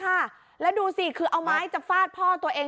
ค่ะแล้วดูสิคือเอาไม้จะฟาดพ่อตัวเอง